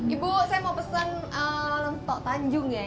ibu saya mau pesan lentok tanjung ya